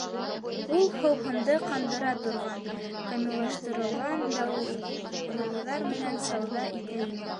Ул, һыуһынды ҡандыра торған, камиллаштырылған дарыуҙар менән сауҙа итә ине.